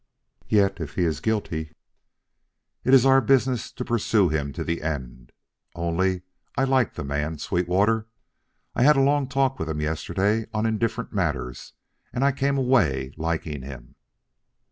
"Yet, if he is guilty " "It is our business to pursue him to the end. Only, I like the man, Sweetwater. I had a long talk with him yesterday on indifferent matters and I came away liking him."